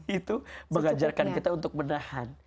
itu mengajarkan kita untuk menahan